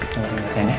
terima kasih sayang